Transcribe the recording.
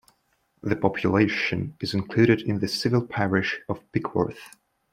The population is included in the civil parish of Pickworth.